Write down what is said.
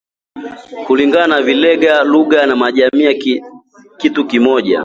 Kulingana na Velga, lugha na jamii ni kitu kimoja